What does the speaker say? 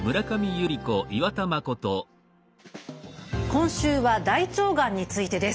今週は大腸がんについてです。